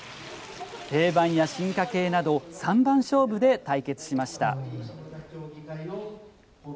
定番や進化系など３番勝負で対決しました。